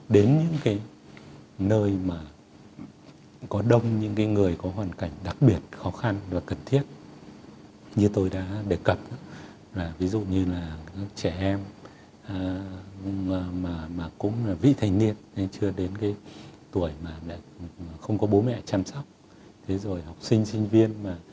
đến những cái máy bay thương mại nhưng mà riêng lẻ tổ chức các chuyến